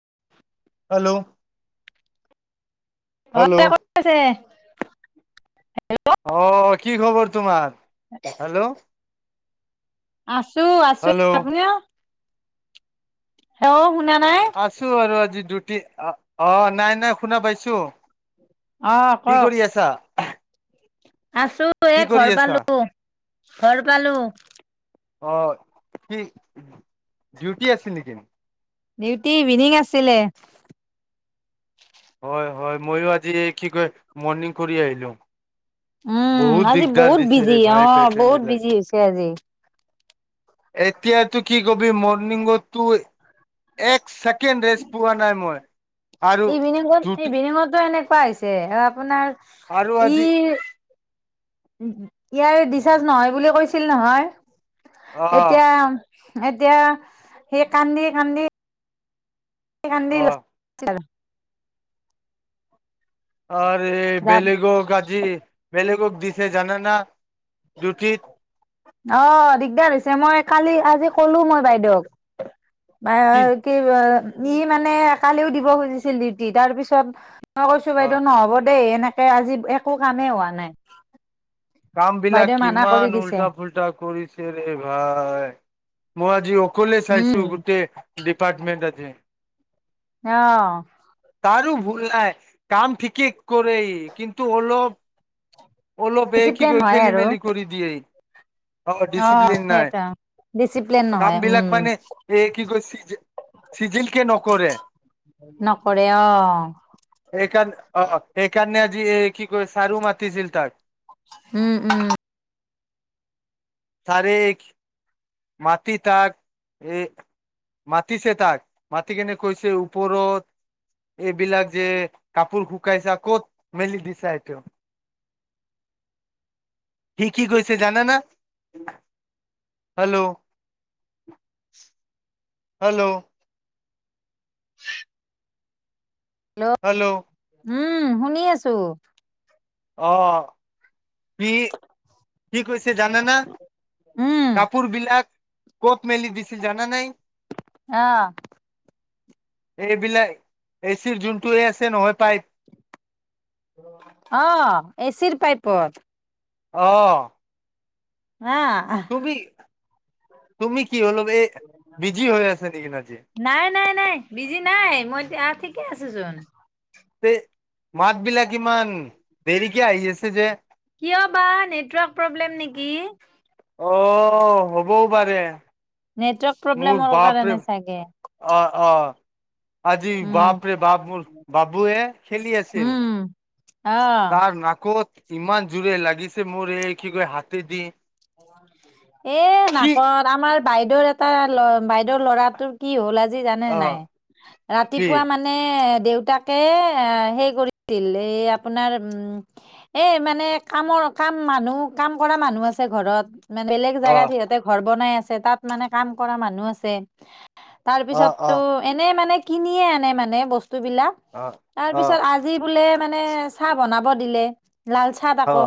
[inaudible] Hello অ' এ কত আছে? আহ কি খবৰ তোমাৰ? হেল্ল' আছো আছো হেল্ল' আপুনি? অ' শুনা নাই। আছো আৰু আজি ডউটি অ' অ' নাই নাই শুনা পাইছো। অ', কি কওক। কৰি আছা? আছো এ কি কৰি ঘৰ আছা পালো ঘৰ পালো। অ' কি ডিউটি আছিল নেকি? ডিউটি ইভিনিং আছিলে। হয় হয় মইো আজি কি কয় মৰ্ণিং কৰি আহিলো। উম, বহুত আজি দিগদাৰ বহুত দিশেৰে বিজি ভাই অ', ফেচন বহুত বিলাক। বিজি হৈছে আজি। এতিয়াতো কি কবি মৰ্ণিঙতো এক ছেকেণ্ড ৰেষ্ট পোৱা নাই মই আৰু পাইছে আৰু আপোনাৰ আৰু হাজ ইয়াৰে ডিচাৰ্জ নহয় বুলি কৈছিল নহয়, অ এতিয়া এতিয়া সেই কান্দি কান্দি অ [unintelligible] আৰু বেলেগ ক আজি বেলেগ দিছে জানা না? অ' দিগদাৰ হৈছে মই কালি আজি কলো মই বাইদেক। কি ই মানে কালিও দিব খুজিছিল উতি তাৰ পিছত মই কৈছো অ বাইদেউ নহ'ব দেই, এনেকে আজি একো কামেই হোৱা নাই। কামবিলাক বাইদেউ মানা কৰি কিমান দিছে উল্টা ফুল্টা কৰিছে ৰে ভাই। মই আজি অকলে উম চাইছোঁ গোটেই ডিপাৰটমেন্ট আজি। অহ। তাৰো ভুল নাই, কাম ঠিকেই কৰে সি কিন্তু অলপ অলপ এই কি ডিচিপ্লিন কৰে, হয় খেলি আৰু মেলি কৰি দিয়ে সি। অ' ডিচিপ্লিন নাই ডিচিপ্লিন কাম নহয় বিলাক উম মানে এই কি কৰিছ যে চিগিল নকৰে, নকৰে অ সকাৰ অ' সকাৰ এ কি কয় চাৰু মাতিছিল তাক। উম উম। তাৰিখ মাট তাক এ মাতিছে তাক। মাতি কেনে কৈছে ওপৰত এইবিলাক যে কাপোৰ শুকাইছা ক'ত মেলি দিছা এইটো। কি কি কৈছে জানা না। হেল্ল'। [unintelligible] হেল্ল'। [unintelligible] হেল্ল'। উম, শুনি আছোঁ। অহ', অহ' কি কি কৈছে জানে না। উম কাপোৰবিলাক ক'ত মেলি দিছিল জানা না‌ সি। অহ। এইবিলাক, এচিৰ যোনটোৱেই আছে নহয় পাইপ অহ, এচিৰ পাইপত। অহ। আ হা। তুমি কি হ'ল। এই বিজি হৈ আছে নেকি আজি। নাই নাই নাই বিজি নাই, মই আহ ঠিকে আছোচোন। তে মাতবিলাক ইমান দেৰিকে আহি আছে যে। কিয় বা নেটৱৰ্ক প্ৰব্লেম নেকি অহ, হ'বও পাৰে। নেটৱৰ্ক মোৰ প্ৰব্লেমৰ বাপৰে। কাৰণে চাগে অহ', অহ'। আজি উম বাপৰে বাপ মোৰ বাবুৱে খেলি আছিল। উম আহ তাৰ নাকত ইমান জোৰে লাগিছে, মোৰ এই কি কয় হাতেদি। এ সি নাকত, আমাৰ বাইদেউৰ এটা ল বাইদেউ বাইদেউৰ ল'ৰাতোৰ কি হ'ল আজি জানে নে অ নাই, কি ৰাতিপুৱা মানে দেউতাকে সেই কৰিছিল, এই আপোনাৰ এই মানে কামৰ কাম মানুহ, কাম কৰা মানুহ আছিল। ঘৰত মানে বেলেগ অ জেগাত সিহঁতে ঘৰ বনাই আছে, তাত মানে কাম কৰা মানুহ আছে। অ তাৰপিছতটো অ এনে মানে কিনিয়ে আনে মানে বস্তু বস্তুবিলাক অ অ তাৰপিছত আজি বোলে মানে চাহ বনাব দিলে। লাল চাহ অ আকৌ,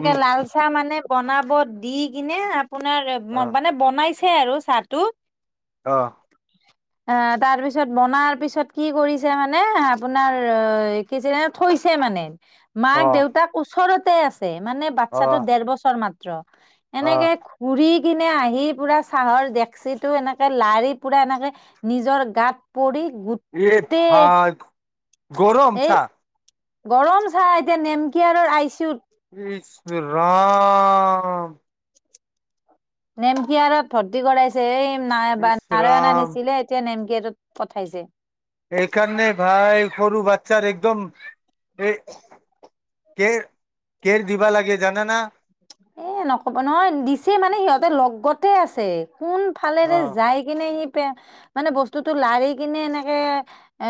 উম লাল চাহ মানে বনাব দি কিনে আপোনাৰ অ মানে, বনাইছে আৰু চাহটো। অহ। অ, তাৰপিছত বনাৰ পিছত কি কৰিছে মানে, আপোনাৰ অহ কি আছিলে কৈছে মানে, অ মাক-দেউতাক ওচৰতে আছে মানে অ বাচ্ছাতটো দেৰ বছৰ মাত্ৰ। অ এনেকে ঘুৰি কিনে আহি, পুৰা চাহৰ ডেক্সিটো এনেকে লাৰি পুৰা এনেকে নিজৰ গাত পৰি এই গোটেই ভাই, গৰম এই চাহ। গৰম চাহ, এতিয়া নেমকিয়াৰৰ আইচি ইউত ইচ ৰাম নেমকিয়াৰত ভৰ্তি কৰাইছে এই ইচ ন নাৰায়ণ আ ৰাম নিছিলে এতিয়া নেম গেটত পঠাইছে। পিকচাৰ্ছৰ একদম এই কেৰ কেৰ দিবা লাগে জানানা এ নক'ব নহয় দিছে, মানে সিহঁতে লগতে আছে। কোনফালেৰে যায় কিনে সি [unintelligible] মানে বস্তুটো লাৰি কিনে এনেকে এ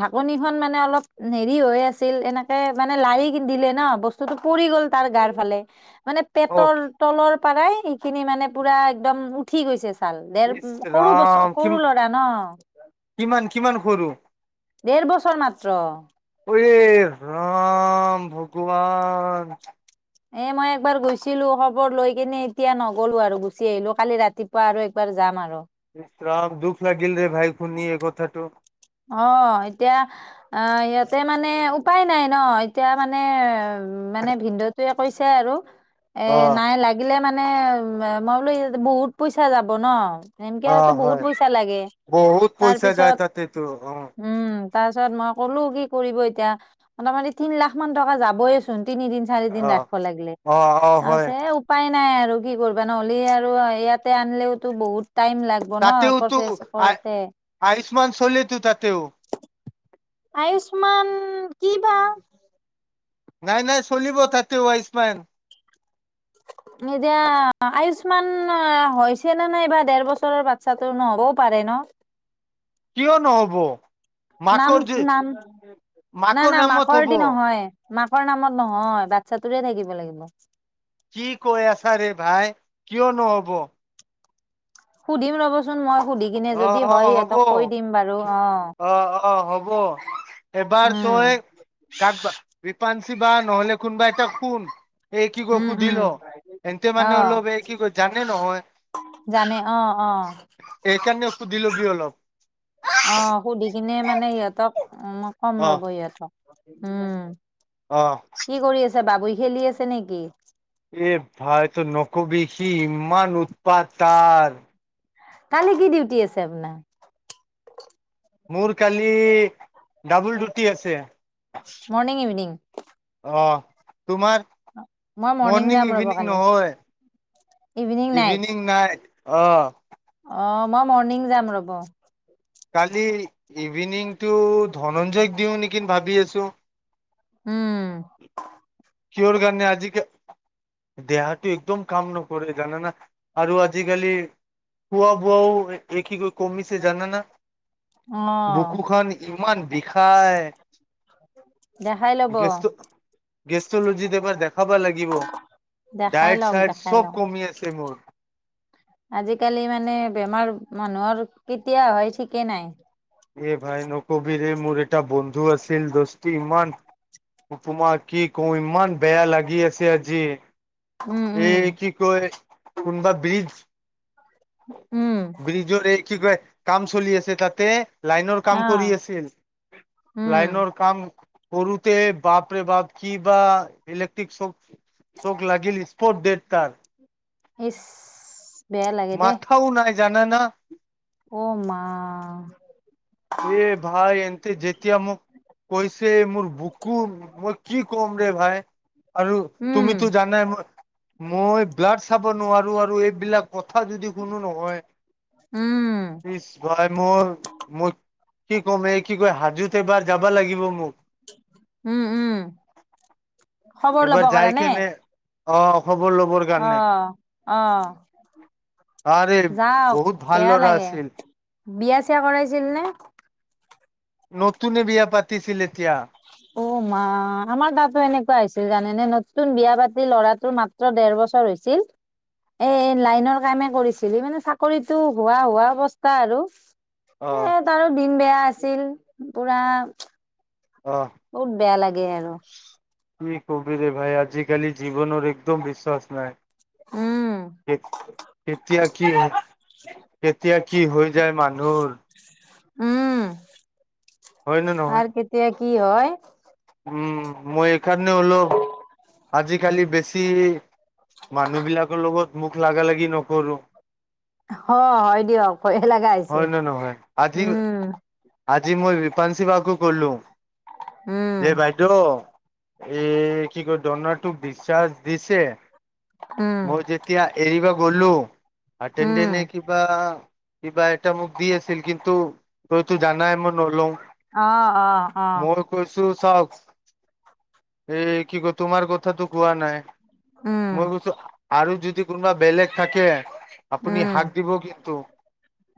ঢাকনিখন মানে অলপ হে দেৰি হৈ আছিল। এনেকে মানে লাৰি দিলে ন, বস্তুটো পৰি গ'ল তাৰ গাৰ ফালে। মানে অ পেটৰ তলৰ পৰাই, সেইখিনি মানে পুৰা একদম উঠি গৈছে। চাল। দেৰ ইছ সৰু বছৰ, ৰাম কি সৰু ল'ৰা ন। কিমান কিমান সৰু? দেৰ বছৰ মাত্ৰ ঐ ৰাম ভগৱান। এ মই একবাৰ গৈছিলো, খবৰ লৈ কেনে এতিয়া নগলো আৰু গুচি আহিলো, কালি ৰাতিপুৱা আৰু একবাৰ যাম আৰু ৰাম দুখ লাগিল ৰে ভাই খোনি এই কথাটো। অ' এতিয়া ইয়াতে মানে উপায় নাই ন এতিয়া মানে উম, মানে ভিনন্দটোৱে কৈছে আৰু এ অ নাই লাগিলে মানে। মানে মই বোলো বহুত পইচা যাব ন। অ নেমকেয়াৰ টো বহুত হয় পইচা লাগে বহুত তাৰ পইচা যায় পিছত তাতেতো অ উম। উম, তাৰ পিছত মই ক'লো কি কৰিব এতিয়া মোটামুটি তিন লাখ মান টকা যাবয়েচোন। তিনি দিন চাৰি দিন অ ৰাখিব লাগিলে অ অ হয় আ উপায় নাই আৰু কি কৰিবা নহ'লে আৰু ইয়াতে আনিলওতো বহুত। টাইম লাগব ন তাতেও তো প্ৰচেছ আ কৰোতে আয়ুস্মান চলে তো তাতেও। আয়ুচমান কি বা। নাই নাই চলিব তাতে আয়ুচমান। নিদিয়া আয়ুচমান। আয়ুচমান হৈছে না বা ডেৰ বাচ্ছা টো নহ'বও পাৰে ন। কিয় নহ'ব। নাম মাকৰ যে নাম নাই না নামত মাকৰ হ'ব দি নহয়। মাকৰ নামত নহয় বাচ্ছাটোৰে থাকিব লাগিব। কি কৈ আছা ৰে ভাই কিয় নহ'ব। সুধিম ৰ'বচোন, মই সুধি কিনে অ', যদি হয় অ', হ'ব সিহঁতক কৈ দিম বাৰু অ'। অ', অ', হ'ব এবাৰ উম, তই কাক বিপাঞ্চি বা নহ'লে কোনবা এটাক খুন এই কি কয় উম, উম, সুধিলৰ এন্ততে মানে অ', অলপ এই কি কয় জানে নহয়। জানে অ' অ' সুধ ল'বি অলপ অ' সুধি কিনে মানে সিহঁতক কম ৰ'ব সিহঁতক, উম। অহ' বাবুৰি খেলি আছে নেকি? এ ভাইতো নকবি কি ইমান উৎপাত তাৰ। কালি কি ডিউটি আছে আপোনাৰ। মোৰ কালি ডাবল ডিউটি আছে। মৰ্ণিং ইভিনিং অহ' তোমাক মই মৰ্ণিং মৰ্নিং যাম ৰ'ব ইভিনিং কালি নহয় ইভিনিং নাইট অহ' অ' মই মৰ্ণিং যাম ৰ'ব। কালি ইভিনিংতটো ধনঞ্জয়ক দিওঁ নেকি ভাবি আছো। উম, কিহৰ কাৰনে আজি দেহাটো একদম কাম নকৰে জানানা আৰু আজিকালি কোৱা বোৱাও একি কৈ কমিছে জানা না? অ', বুকুখন ইমান বিষাই দেখাই লব গেষ্টলজিত এবাৰ দেখাব লাগিব। দেখাই ডায়েট লওক, চায়ট দেখাই চ'ব লওক। কমি আছে মোৰ। আজিকালি মানে বেমাৰ মানুহৰ কেতিয়া হয় ঠিকেই নাই। এ ভাই নকবিৰৰে মোৰ এটা বন্ধু আছিল দষ্টি ইমান তোমাক কি কওঁ ইমান বেয়া লাগি আছে আজি উম, উম, এই কি কয় কোনোবা ব্ৰিজ। উম, ব্ৰিজৰ এই কি কয় কাম চলি আছে তাতে লাইনৰ কাম কৰি অ', আছিল, উম, লাইনৰ কাম সৰুতে বাপৰে বাপ কি বা ইলেক্ট্ৰিক চ'ক চোক লাগিল স্পট ডেথ তাৰ। ইচ বেয়া লাগে দেই। মাথাও নাই জানানা অ', মা এ ভাই এনতে যতিয়া মোক কৈছে মোৰ বুকু, মই কি কম ৰে ভাই? আৰু উম, তুমিতো জানাই মই মই ব্লাড চাব নোৱাৰো। আৰু এইবিলাক কথা যদি কোনো উম, নহয় ইচ ভাই মোৰ মোৰ কি ক'ম এই কি কয় হাজোত এবাৰ যাবা লাগিব মোক উম, উম, খবৰ এবাৰ ল'ব যাই কাৰনে? কিনে অ খবৰ ল'বৰ কাৰণে অ', অ', আৰে যাওক বহুত ভাল বেয়া ল'ৰা লাগে আছিল বিয়া চিয়া কৰাইছিল নে? নতুনে বিয়া পাতিছিল এতিয়া। অ', মা আমাৰ তাতো এনেকুৱা হৈছিল জানেনে নতুন বিয়া পাতি ল'ৰাটোৰ মাত্ৰ দেৰ বছৰ চৰ হৈছিল এ লাইনৰ কামে কৰিছিলি মানে চাকৰিটো হোৱা হোৱা অৱস্থা আৰু। অহ এ তাৰো দিন বেয়া আছিল পুৰা অহ বহুত বেয়া লাগে আৰু। কি কবিৰে ভাই আজিকালি জীৱনৰ একদম বিশ্বাস নাই। উম এতিয়া কি এতিয়া কি হৈ যায় মানুহৰ। উম, হয় নে নহয় কাৰ কেতিয়া কি হয়। উম, মই এইকাৰণে হ'লো, আজিকালি বেছি মানুহ বিলাকৰ লগত মুখ লাগালাগি নকৰো। অ', হয় দিয়ক ভয়ে লাগা হৈছে, হয় নে নহয় আজি উম, আজি মই ৰিপানশি বাকো ক'লো, উম যে বাইদেউ এ কি কয় দৰনাটোক ডিছচাৰ্জ দিছে, উম মই তেতিয়া এৰিব গ'লো, উম [unintelligible] কিবা কিবা এটা মোক দি আছিল কিন্তু তইতো জানাই মই নলওঁ। অ', অ', অ'। চাওঁক, এই কি কয় তোমাৰ কথাটো কোৱা নাই। উম মই কৈছোঁ আৰু যদি কোনোবা বেলেগ থাকে আপুনি উম হাক দিব কিন্তু।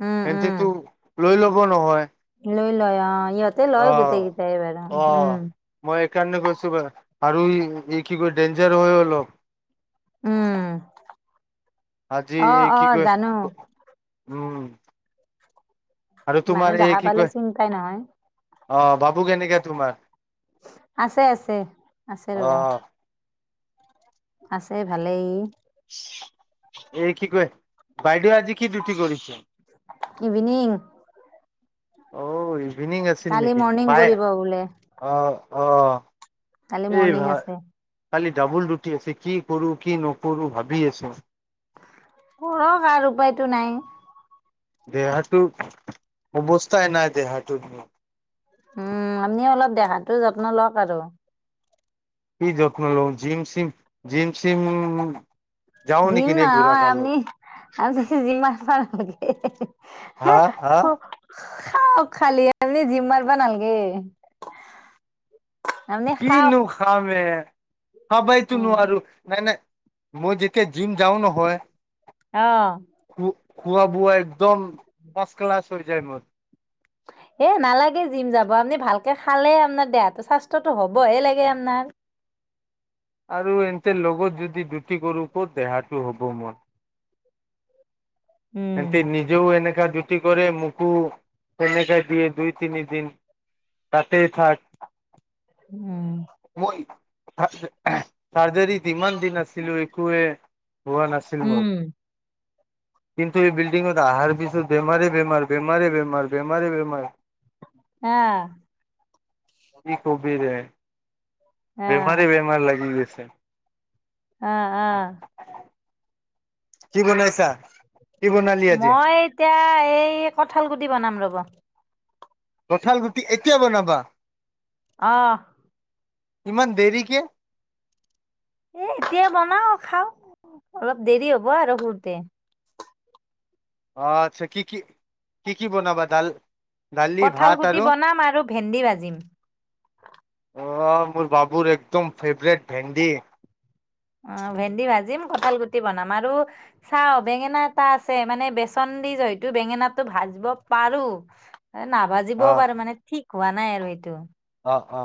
উম, উম, সেহতেতো লৈ ল'ব নহয়। লৈ লয় অ' ইহঁতে লয় গোটেই আহ কেইটাই বাৰু, উম। সেইকাৰণে কৈছোঁ বা, আৰু এই কি কয় ডেঞ্জাৰ হৈ অলপ। উম, আজি অ- এই অ, কি কয় জানো। উম। আৰু তোমাৰ মানুহ এই দেখা কি পালে কয় চিন পাই নহয়। অ' ভাবু কেনেকা তোমাৰ? আছে আছে, আছে ৰ'ব। অ আছে ভালেই। এই কি কয়, বাইদউ আ আজি কি ডিউটি কৰিছে? ইভিনিং অ', ইভিনিং আছিল কালি নেকি, মৰ্ণিং বাই কৰিব বোলে অ', অ'। কালি এই মৰ্ণিং ভা আছে। কালি ডাবুল ডুটি আছে কি কৰো কি নকৰো ভাবি আছো। কৰক আৰু উপায়টো নাই। দেহাটোৰ, অৱস্থাই নাই দেহাটোৰ উম, আপনি অলপ দেহাটো যত্ন লওঁক আৰু। কি যত্ন ল'ম? জিম-চিম, জিম-চিম জিম নহয় আপনি [unintelligible] হা? হা? খাওঁক খালি, আপনি জিম মাৰবা নালাগে। কিনো খামে এ? খাবাইতো উম, নোৱাৰো। নাই-নাই মই যেতিয়া জিম যাওঁ নহয় অ'। খো খোৱা বোৱা একদম, ফাষ্ট ক্লাছ হৈ যায় মোৰ। এ নালাগে জিম যাব। আপুনি ভালকে খালে আপোনাৰ দেহাটো স্বাস্থ্যতটো হ'বহে লাগে আপনাৰ। আৰু এনতে লগত যদি ডুটি কৰোঁ ক'ত দেহাটো হ'ব মোৰ। এনতে উম, নিজেও এনেকা ডুটি কৰি মুকু, কেনেকা দিয়ে দুই তিনিদিন। তাতেই থাক। উম, মই চাৰ্জাৰীত ইমান দিন আছিলো একোৱে হোৱা নাছিল মোৰ। উম, কিন্তু এই বিল্ডিংত আহাৰ পিছত বেমাৰে-বেমাৰ-বেমাৰে-বেমাৰ-বেমাৰে-বেমাৰ। [unintelligible] হা। কি কবি ৰে, আহ, বেমাৰে-বেমাৰ লাগি গৈছে। আহ, আহ। কি বনাইছা? কি বনালি আজি মই এতিয়া এই কঠাল গুটি বনাম ৰ'ব। কঁঠাল গুটি এতিয়া বনাবা আহ। ইমান দেৰিক? এ এতিয়া বনাও খাওঁ। অলপ দেৰি হ'ব আৰু শুতে আচ্ছা কি-কি কি কি বনাবা? দাল দালি কঁঠাল ভাত গুটি আৰু বনাম আৰু ভেন্দি ভাজিম। অ, ' মোৰ বাবুৰ একদম ফেভৰেট ভেন্দি। অ, ' ভেন্দি ভাজিম কঁঠাল গুটি বনাম আৰু চাও বেঙেনা এটা আছে। মানে বেচন হয়টো বেঙেনাটো ভাজিব পাৰো নাবাজিবও অ পাৰো মানে ঠিক হোৱা নাই আৰু এইটো। অ অ